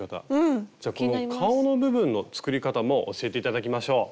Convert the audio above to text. じゃあこの顔の部分の作り方も教えて頂きましょう。